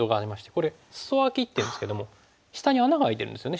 これスソアキっていいますけども下に穴が開いてるんですよね